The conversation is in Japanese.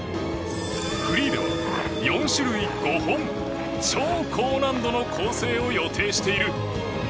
フリーでは４種類５本超高難度の構成を予定している。